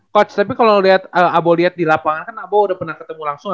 coach tapi kalau lihat abo lihat di lapangan kan abo udah pernah ketemu langsung